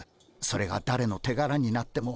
それがだれの手柄になっても。